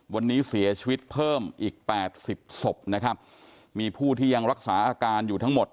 วันนี้เสียชีวิตเพิ่มอีกแปดสิบศพนะครับมีผู้ที่ยังรักษาอาการอยู่ทั้งหมด